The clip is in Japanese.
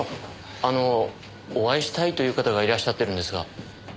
あのお会いしたいという方がいらっしゃってるんですが。